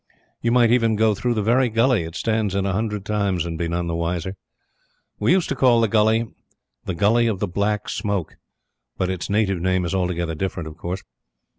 You might even go through the very gully it stands in a hundred times, and be none the wiser. We used to call the gully, "the Gully of the Black Smoke," but its native name is altogether different of course.